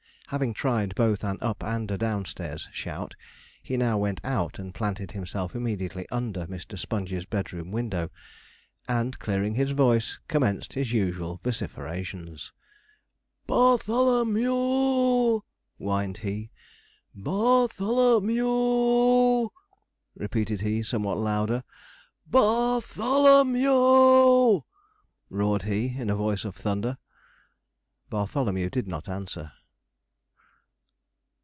Having tried both an up and a downstairs shout, he now went out and planted himself immediately under Mr. Sponge's bedroom window, and, clearing his voice, commenced his usual vociferations. 'Bartholo m e w!' whined he. 'Bartholo m e w!' repeated he, somewhat louder. 'BAR THOLO m e w!' roared he, in a voice of thunder. Bartholomew did not answer.